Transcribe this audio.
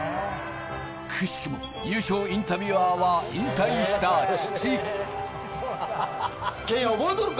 くしくも優勝インタビュアーは引退した父。